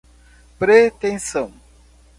pretensão